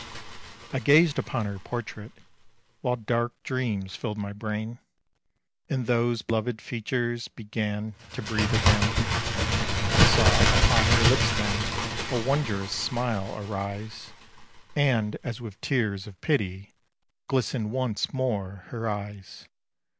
I gazed upon her portrait, While dark dreams filled my brain, And those beloved features Began to breathe again. I saw upon her lips then A wondrous smile arise, And as with tears of pity Glistened once more her eyes.